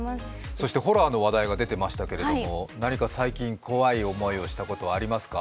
そしてホラーの話題が出ていましたけれども、何か最近怖い思いをしたことはありますか？